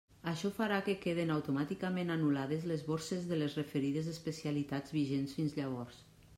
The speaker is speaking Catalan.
Això farà que queden automàticament anul·lades les borses de les referides especialitats vigents fins llavors.